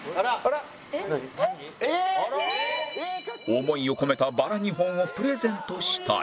思いを込めたバラ２本をプレゼントしたり